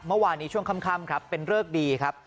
เมื่อวานนี้ช่วงค่ำครับเป็นเริกดีครับ